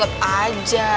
ya ya sih